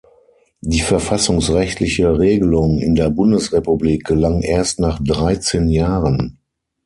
Die verfassungsrechtliche Regelung in der Bundesrepublik gelang erst nach dreizehn Jahren.